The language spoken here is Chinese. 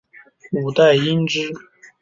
五代因之。